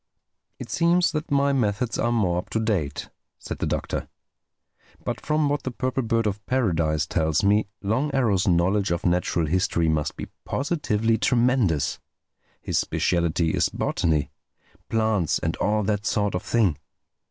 "It seems that my methods are more up to date," said the Doctor. "But from what the Purple Bird of Paradise tells me, Long Arrow's knowledge of natural history must be positively tremendous. His specialty is botany—plants and all that sort of thing.